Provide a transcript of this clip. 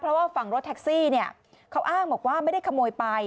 เพราะว่าฝั่งรถแท็กซี่เนี่ยเขาอ้างบอกว่าไม่ได้ขโมยไป